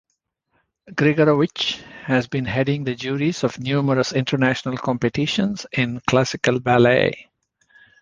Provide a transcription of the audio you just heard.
Grigorovich has been heading the juries of numerous international competitions in classical ballet.